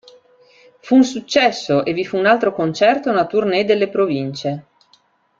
Fu un successo e vi fu un altro concerto e una tournée delle province.